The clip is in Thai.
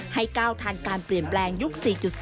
ให้ก้าวทันการเปลี่ยนแปลงยุค๔๐